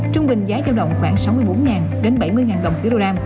trung bình giá giao động khoảng sáu mươi bốn đến bảy mươi đồng một kg